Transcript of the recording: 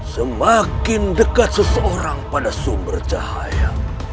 semakin dekat seseorang pada sumber cahaya